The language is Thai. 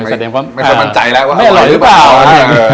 สวัสดีครับผม